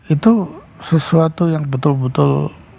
itu sesuatu yang betul betul